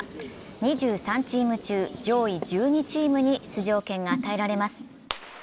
２３チーム中、上位１２チームに出場権が与えられます。